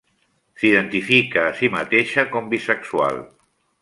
S'identifica a si mateixa com bisexual.